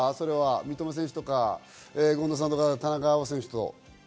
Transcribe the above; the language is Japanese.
三笘選手とか権田さんとか、田中碧選手と。